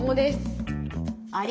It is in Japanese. あれ？